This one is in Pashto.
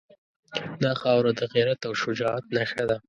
دا خاوره د غیرت او شجاعت نښه ده.